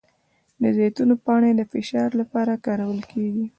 د زیتون پاڼې د فشار لپاره کارول کیږي؟